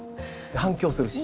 反響するし。